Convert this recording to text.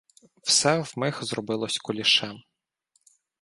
Все вмиг зробилось кулішем.